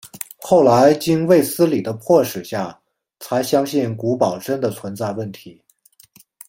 后来经卫斯理的迫使下才相信古堡真的存在问题。